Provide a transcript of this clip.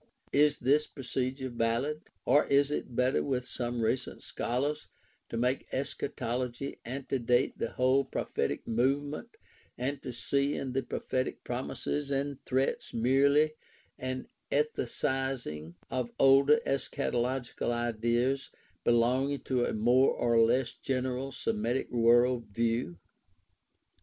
Is this procedure valid? Or is it better, with some recent scholars, to make eschatology antedate the whole prophetic movement and to see in the prophetic promises and threats merely an ethicizing of older eschatological ideas belonging to a more or less general Semitic world view